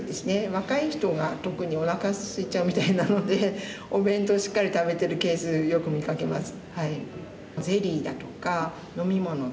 若い人が特におなかすいちゃうみたいなのでお弁当をしっかり食べてるケースよく見かけます。